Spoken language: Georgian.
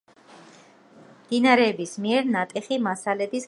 მდინარეების მიერ ნატეხი მასალების გადატანა.